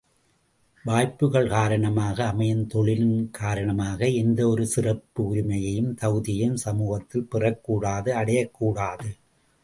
வாய்ப்புக்கள் காரணமாக அமையும் தொழிலின் காரணமாக எந்த ஒரு சிறப்பு உரிமையையும் தகுதியையும் சமூகத்தில் பெறக்கூடாது அடையக்கூடாது.